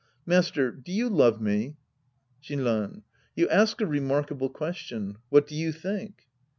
Master, do you love me ? Shinran. You ask a remarkable question. What <io you think